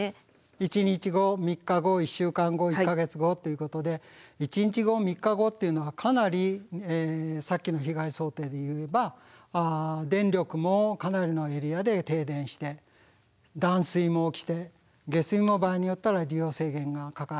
１日後３日後１週間後１か月後ということで１日後３日後っていうのはかなりさっきの被害想定でいえば電力もかなりのエリアで停電して断水も起きて下水も場合によったら利用制限がかかる。